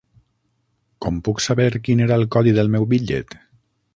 Com puc saber quin era el codi del meu bitllet?